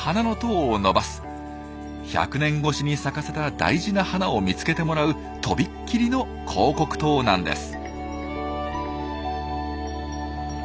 １００年越しに咲かせた大事な花を見つけてもらうとびっきりの広告塔なんです。